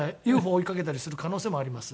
追いかけたりする可能性もあります。